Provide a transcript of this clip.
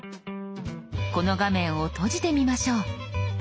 この画面を閉じてみましょう。